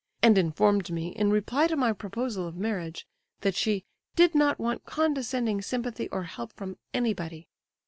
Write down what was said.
and informed me, in reply to my proposal of marriage, that she 'did not want condescending sympathy or help from anybody.